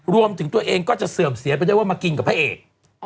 รวมถึงตัวเองก็จะเสื่อมเสียไปได้ว่ามากินกับพระเอก